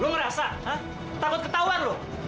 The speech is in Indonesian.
lo ngerasa takut ketauan lo